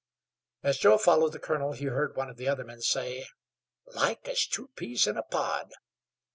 As Joe followed the colonel he heard one of the other men say: "Like as two peas in a pod."